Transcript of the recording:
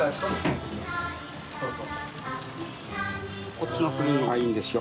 こっちのふるいの方がいいんですよ。